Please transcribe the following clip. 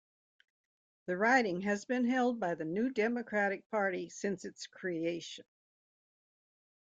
The riding has been held by the New Democratic Party since its creation.